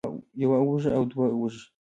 يوه اوږه او دوه اوږې